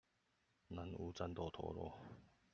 南無戰鬥陀螺